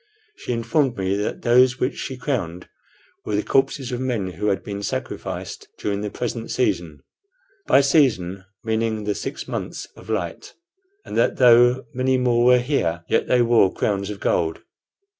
She informed me that those which she crowned were the corpses of men who had been sacrificed during the present season by season meaning the six months of light; and that though many more were here, yet they wore crowns of gold.